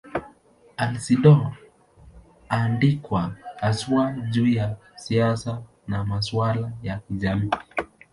Alcindor anaandikwa haswa juu ya siasa na masuala ya kijamii.